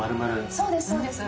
そうですそうです。